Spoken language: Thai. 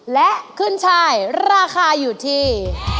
และขึ้นชายราคาอยู่ที่